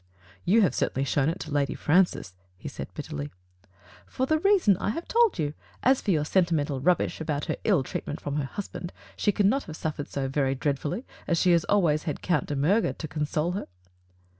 "You have certainly shown it to Lady Fran cis," he said bitterly. "For the reason I have told you. As for your sentimental rubbish about her ill treatment from her husband, she cannot have suffered so very .dreadfully, as she has always had Count de Miirger to console her."